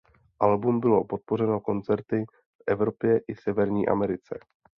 Album bylo podpořeno koncerty v Evropě i severní Americe.